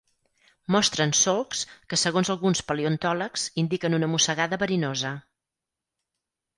Mostren solcs que segons alguns paleontòlegs indiquen una mossegada verinosa.